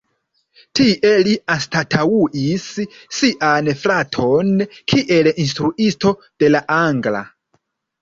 Tie li anstataŭis sian fraton kiel instruisto de la angla.